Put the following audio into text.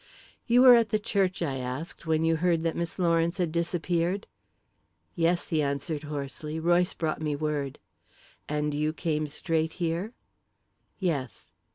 "You were at the church," I asked, "when you heard that Miss Lawrence had disappeared?" "Yes," he answered hoarsely. "Royce brought me word." "And you came straight here?" "Yes."